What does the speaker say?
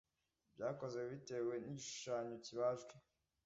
byakozwe bitewe n’igishushanyo kibajwe